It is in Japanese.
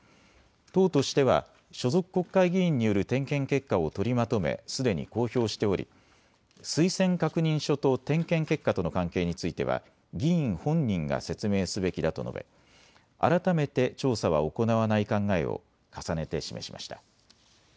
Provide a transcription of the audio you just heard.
党としては所属国会議員による点検結果を取りまとめすでに公表しており推薦確認書と点検結果との関係については議員本人が説明すべきだと述べ改めて調査は行わない考えを重ねて示しました。